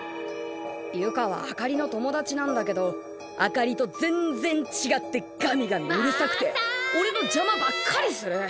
由香はあかりの友達なんだけどあかりと全然ちがってガミガミうるさくておれのじゃまばっかりする。